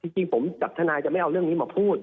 จริงผมกับทนายจะไม่เอาเรื่องนี้มาพูด